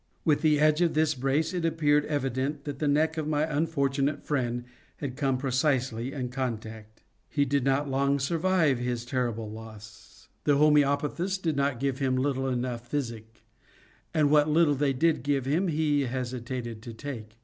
With the edge of this brace it appeared evident that the neck of my unfortunate friend had come precisely in contact. He did not long survive his terrible loss. The homœopathists did not give him little enough physic, and what little they did give him he hesitated to take.